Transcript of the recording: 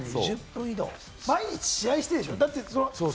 毎日試合してでしょ？